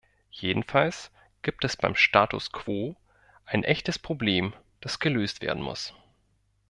Jedenfalls gibt es beim Status quo ein echtes Problem, das gelöst werden muss.